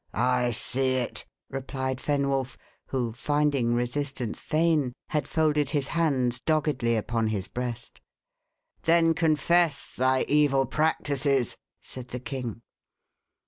"I see it," replied Fenwolf, who, finding resistance vain, had folded his hands doggedly upon his breast. "Then confess thy evil practices," said the king.